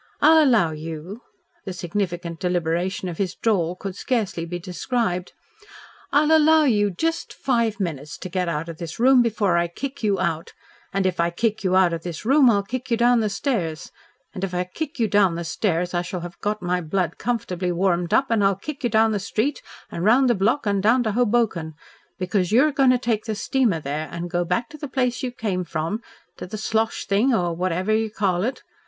I'll allow you " The significant deliberation of his drawl could scarcely be described. "I'll allow you just five minutes to get out of this room, before I kick you out, and if I kick you out of the room, I'll kick you down the stairs, and if I kick you down the stairs, I shall have got my blood comfortably warmed up and I'll kick you down the street and round the block and down to Hoboken, because you're going to take the steamer there and go back to the place you came from, to the Slosh thing or whatever you call it.